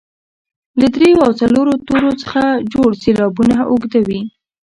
له دریو او څلورو تورو څخه جوړ سېلابونه اوږده وي.